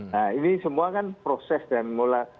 nah ini semua kan proses dan mola